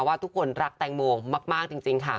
ว่าทุกคนรักแตงโมมากจริงค่ะ